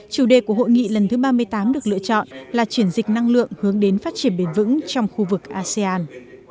chủ đề của hội nghị lần thứ ba mươi tám được lựa chọn là chuyển dịch năng lượng hướng đến phát triển bền vững trong khu vực asean